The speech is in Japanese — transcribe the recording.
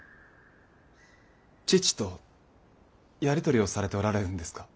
父とやり取りをされておられるんですか？